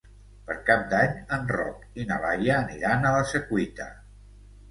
Per Cap d'Any en Roc i na Laia aniran a la Secuita.